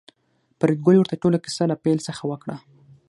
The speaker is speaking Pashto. فریدګل ورته ټوله کیسه له پیل څخه وکړه